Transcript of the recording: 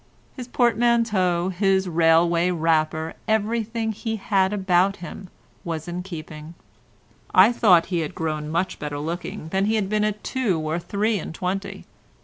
His portmanteau, his railway wrapper, everything he had about him, was in keeping. I thought he had grown much better looking than he had been at two or three and twenty.